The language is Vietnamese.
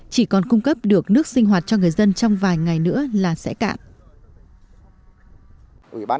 chỉ còn cung cấp được nước sinh hoạt cho người dân trong vài ngày nữa là sẽ cạn